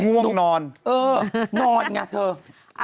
ง่วงนอนเออนอนอย่างนั้นเถอะ